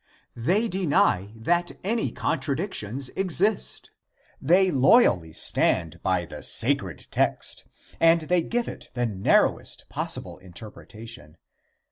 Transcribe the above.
They deny that any contradictions exist. They loyally stand by the sacred text, and they give it the narrowest possible interpretation.